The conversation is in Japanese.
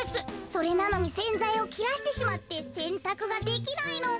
それなのにせんざいをきらしてしまってせんたくができないの。